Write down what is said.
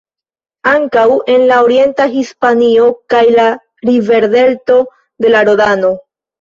Ankaŭ en la orienta Hispanio kaj la riverdelto de la Rodano.